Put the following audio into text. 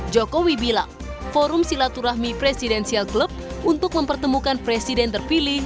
jokowi bilang forum silaturahmi presidensial klub untuk mempertemukan presiden terpilih